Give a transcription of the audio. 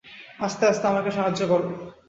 আস্তে আস্তে - আমাকে সাহায্য কর!